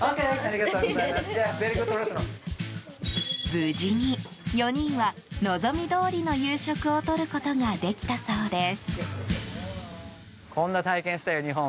無事に４人は望みどおりの夕食をとることができたそうです。